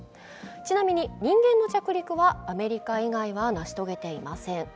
ちなみに人間の着陸はアメリカ以外は成し遂げていません。